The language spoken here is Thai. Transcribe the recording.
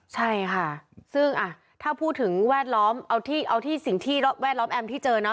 ใช่ค่ะซึ่งถ้าพูดถึงแวดล้อมเอาที่สิ่งที่แวดล้อมแอมที่เจอเนาะ